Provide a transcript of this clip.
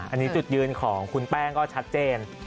อันนี้จุดยืนของคุณแป้งก็ชัดเจน